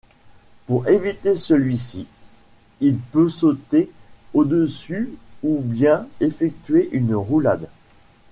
Pour éviter celui-ci, il peut sauter au-dessus ou bien effectuer une roulade.